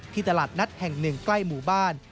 ที่ตลาดนัดแห่ง๑ใกล้หมู่บ้าน